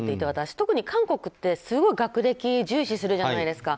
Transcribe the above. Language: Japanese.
特に韓国ってすごい学歴重視するじゃないですか。